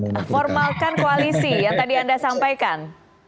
kita formalkan koalisi yang tadi anda sampaikan